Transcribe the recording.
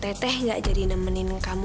teteh gak jadi nemenin kamu